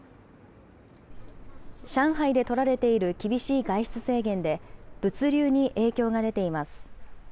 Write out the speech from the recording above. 上海で取られている厳しい外出制限で、物流に影響が出ています。